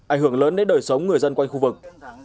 ảnh hưởng lớn đến đời sống người dân quanh khu vực